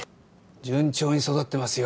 順調に育ってますよ。